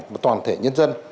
và toàn thể nhân dân